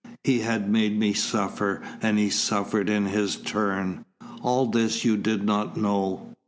He had made me suffer, and he suffered in his turn. All this you did not know.